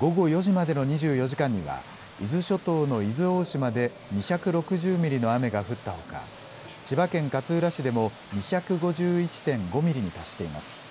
午後４時までの２４時間には、伊豆諸島の伊豆大島で２６０ミリの雨が降ったほか、千葉県勝浦市でも２５１．５ミリに達しています。